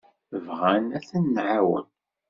Bɣan ad ten-nɛawen.